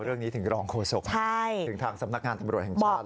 เรื่องนี้ถึงรองโฆษกถึงทางสำนักงานตำรวจแห่งชาติ